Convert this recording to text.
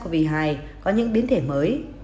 covid một mươi chín có những biến thể mới